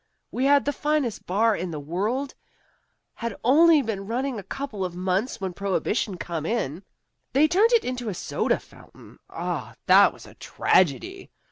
"We had the finest bar in the world, had only been running a couple of months when prohibition come in. They turned it into a soda fountain. Ah, that was a tragedy!